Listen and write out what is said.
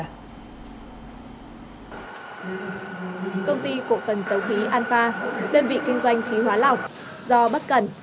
công ty cổ phần dầu khí alfa đơn vị kinh doanh khí hóa lỏng do bất cẩn